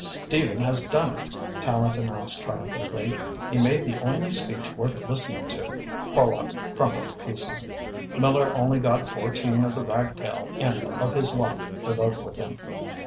"Stephen has done it," Tallente announced triumphantly. "He made the only speech worth listening to. Horlock crumbled to pieces. Miller only got fourteen of the ragtail end of his lot to vote with him.